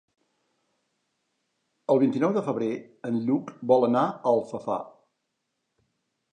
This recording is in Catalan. El vint-i-nou de febrer en Lluc vol anar a Alfafar.